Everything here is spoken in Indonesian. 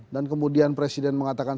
dan kemudian presiden mengatakan